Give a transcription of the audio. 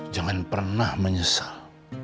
jangan pernah menyesal